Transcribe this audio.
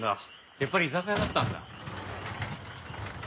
やっぱり居酒屋だったんだ。